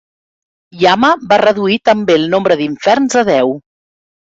Yama va reduir també el nombre d'inferns a deu.